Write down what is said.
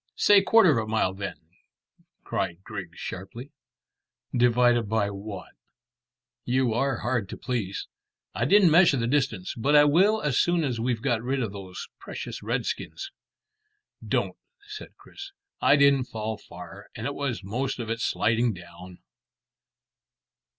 "Say quarter of a mile then," cried Griggs sharply. "Divided by what?" "You are hard to please. I didn't measure the distance; but I will as soon as we've got rid of these precious redskins." "Don't," said Chris. "I didn't fall far, and it was most of it sliding down."